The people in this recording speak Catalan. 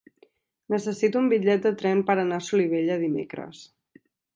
Necessito un bitllet de tren per anar a Solivella dimecres.